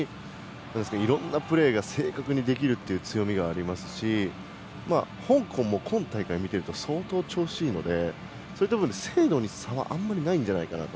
いろんなプレーが正確にできる強みがありますし香港も今大会見ていると相当、調子がいいのでそういった部分で精度に差はあまりないかなと。